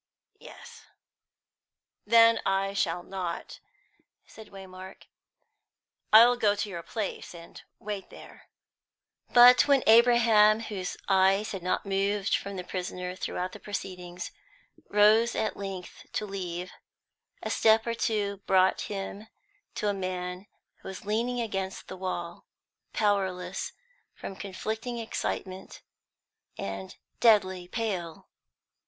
"Yes." "Then I shall not," said Waymark. "I'll go to your place, and wait there." But when Abraham, whose eyes had not moved from the prisoner throughout the proceedings, rose at length to leave, a step or two brought him to a man who was leaning against the wall, powerless from conflicting excitement, and deadly pale.